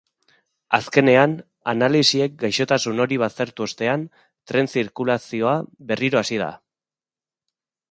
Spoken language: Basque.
Azkenean, analisiek gaixotasun hori baztertu ostean, tren-zirkulazioa berriro hasi da.